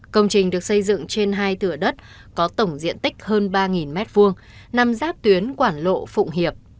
công trình được xây dựng trên hai thửa đất có tổng diện tích hơn ba m hai nằm giáp tuyến quảng lộ phụng hiệp